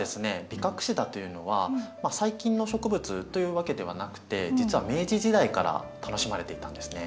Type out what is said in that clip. ビカクシダというのは最近の植物というわけではなくて実は明治時代から楽しまれていたんですね。